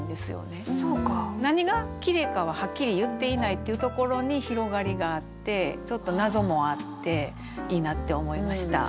何が綺麗かははっきり言っていないというところに広がりがあってちょっと謎もあっていいなって思いました。